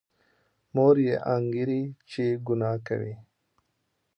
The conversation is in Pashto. مور یې انګېري چې ګناه کوي.